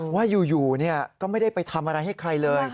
ว่าอยู่ก็ไม่ได้ไปทำอะไรให้ใครเลย